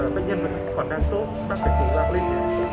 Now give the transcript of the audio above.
bác sĩ cũng đoán lên